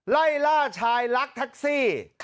ไล่ล่าชายรักแท็กซี่